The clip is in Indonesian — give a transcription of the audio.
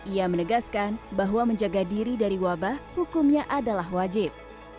ia menegaskan bahwa menjaga diri dari wabah hukumnya adalah wajib